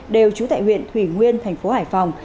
đều trú tại huyện thủy nguyên thành phố hải phòng